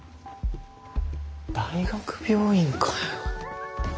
大学病院かよ。